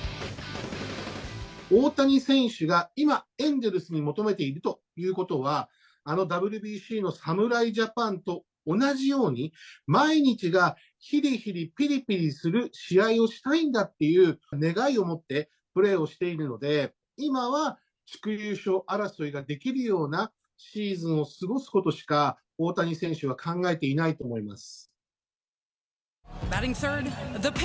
大谷選手が今、エンゼルスに求めているということは、あのＷＢＣの侍ジャパンと同じように、毎日がひりひりぴりぴりする試合をしたいんだという願いを持ってプレーをしているので、今は地区優勝争いができるようなシーズンを過ごすことしか大谷選手は考えていないと思います。